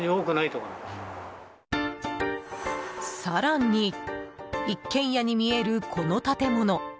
更に、一軒家に見えるこの建物。